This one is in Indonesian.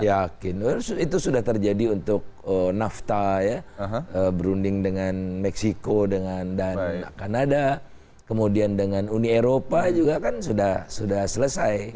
saya yakin itu sudah terjadi untuk nafta ya berunding dengan meksiko dengan kanada kemudian dengan uni eropa juga kan sudah selesai